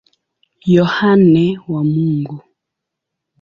Yohane wa Mungu.